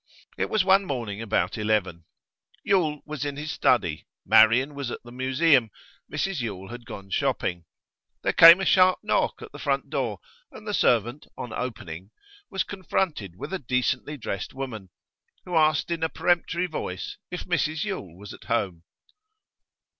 It was one morning about eleven. Yule was in his study; Marian was at the Museum; Mrs Yule had gone shopping. There came a sharp knock at the front door, and the servant, on opening, was confronted with a decently dressed woman, who asked in a peremptory voice if Mrs Yule was at home.